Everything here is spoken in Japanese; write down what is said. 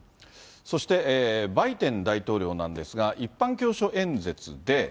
そして、バイデン大統領なんですが、一般教書演説で。